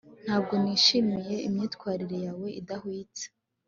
ntabwo nishimiye imyitwarire yawe idahwitse